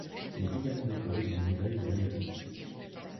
Il est également décoré d'une Médaille de l'Aéronautique.